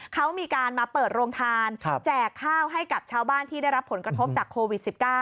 เขามีการมาเปิดโรงทานแจกข้าวให้กับชาวบ้านที่ได้รับผลกระทบจากโควิด๑๙